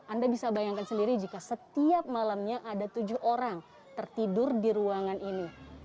anda bisa bayangkan sendiri jika setiap malamnya ada tujuh orang tertidur di ruangan ini